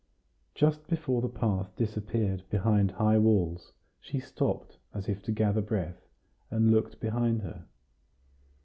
Just before the path disappeared behind high walls, she stopped, as if to gather breath, and looked behind her.